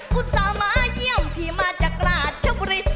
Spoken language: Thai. กูสามาร์เยี่ยมที่มาจากราชบริษฐ์